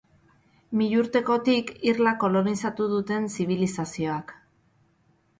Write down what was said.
Milurtekotik irla kolonizatu duten zibilizazioak.